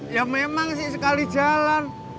ya memang sih sekali jalan